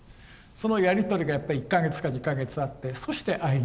そのやり取りがやっぱり１か月か２か月あってそして会いにいく。